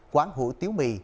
quán hủ tiếu mì